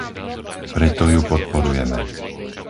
Preto ju podporujeme.